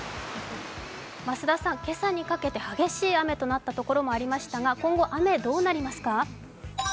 増田さん、今朝にかけて激しい雨となったところもありましたが今後、雨はどうなりますか？